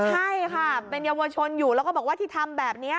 ใช่ค่ะเป็นเยาวชนอยู่แล้วก็บอกว่าที่ทำแบบนี้